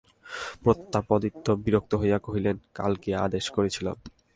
প্রতাপাদিত্য বিরক্ত হইয়া কহিলেন, কাল কী আদেশ করিয়াছিলাম?